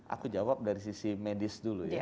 aku jawab dari sisi medis